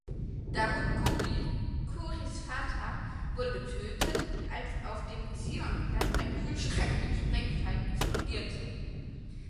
Daoud Khoury, Khourys Vater, wurde getötet, als auf dem Zion-Platz ein Kühlschrank mit Sprengfallen explodierte.